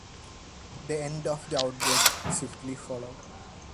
The end of the outbreak swiftly followed.